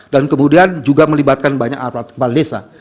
dan kemudian juga melibatkan banyak aparat kepala desa